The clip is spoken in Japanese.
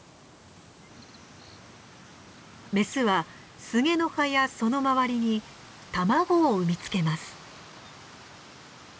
メスはスゲの葉やその周りに卵を産み付けます。